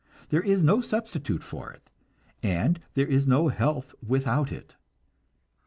There is no substitute for it, and there is no health without it.